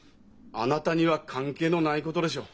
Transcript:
あなたには関係のないことでしょう。